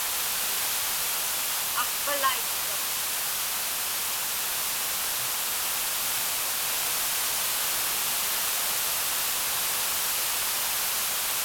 Aqpalaitchuq.